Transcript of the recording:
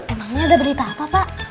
emangnya ada berita apa